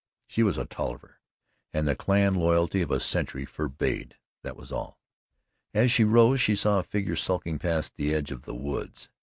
She was a Tolliver and the clan loyalty of a century forbade that was all. As she rose she saw a figure skulking past the edge of the woods.